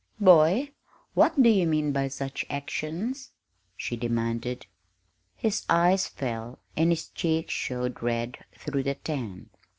"Boy, what do you mean by such actions?" she demanded. His eyes fell, and his cheeks showed red through the tan.